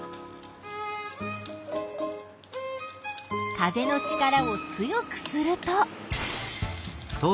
風の力を強くすると。